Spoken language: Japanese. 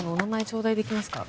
ちょうだいできますか？